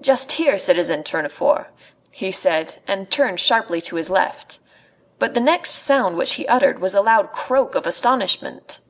"Just here, citizen Tournefort," he said, and turned sharply to his left. But the next sound which he uttered was a loud croak of astonishment.